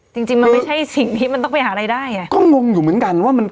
จริงจริงมันไม่ใช่สิ่งที่มันต้องไปหารายได้อ่ะก็งงอยู่เหมือนกันว่ามัน